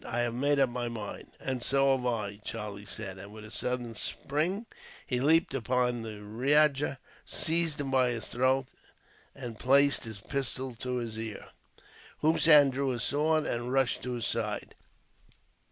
I have made up my mind." "And so have I," Charlie said, and with a sudden spring he leaped upon the rajah, seized him by the throat, and placed a pistol to his ear. Hossein drew his sword, and rushed to his side.